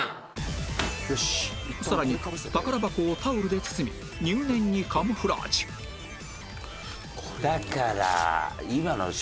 さらに宝箱をタオルで包み入念にカムフラージュだから今の。